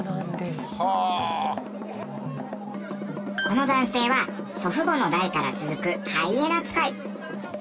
この男性は祖父母の代から続くハイエナ使い。